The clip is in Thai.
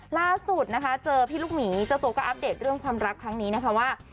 ล่าสุดนะคะเจอพี่ลูกหมีเจ้าตัวก็อัปเดตเรื่องความรักครั้งนี้นะคะว่า